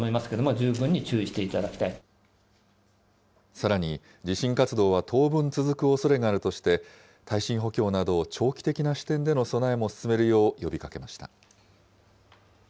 さらに、地震活動は当分続くおそれがあるとして、耐震補強など、長期的な視点での備えも進めるよう呼びかけました。